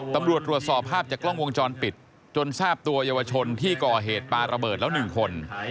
ตำรวจตรวจสอบภาพจากกล้องวงจรปิดจนทราบตัวเยาวชนที่ก่อเหตุปลาระเบิดแล้ว๑คน